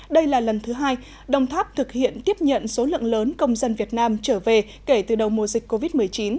đây là lần thứ hai đồng tháp thực hiện tiếp nhận số lượng lớn công dân việt nam trở về kể từ đầu mùa dịch covid một mươi chín